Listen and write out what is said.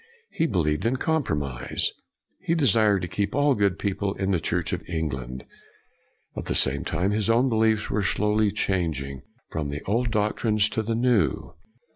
He believed in compromise. He desired to keep all good people in the Church of England. At the same time, his own beliefs were slowly changing from the old doctrines to the new.